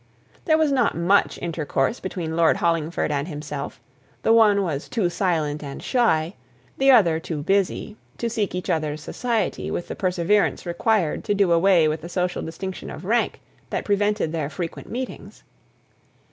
There was not much intercourse between Lord Hollingford and himself; the one was too silent and shy, the other too busy, to seek each other's society with the perseverance required to do away with the social distinction of rank that prevented their frequent meetings.